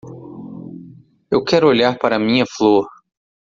Eu quero olhar para a minha flor.